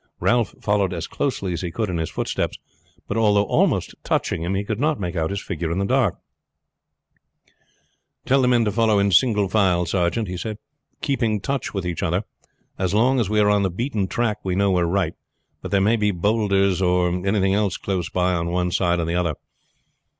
Ralph followed as closely as he could in his footsteps; but although almost touching him he could not make out his figure in the darkness. "Tell the men to follow in single file, sergeant," he said; "keeping touch with each other. As long as we are on the beaten track we know we are right, but there may be bowlders or anything else close by on one side or the other."